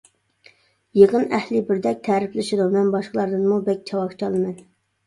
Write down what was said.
يىغىن ئەھلى بىردەك تەرىپلىشىدۇ، مەن باشقىلاردىنمۇ بەك چاۋاك چالىمەن.